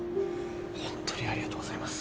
ホントにありがとうございます。